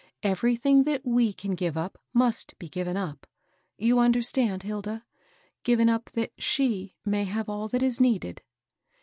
Everything that we can give up muBt be given up, ^ you understand, Hilda? — given up that alie may have all that is needed."